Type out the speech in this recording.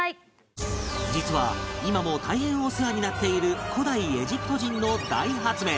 実は今も大変お世話になっている古代エジプト人の大発明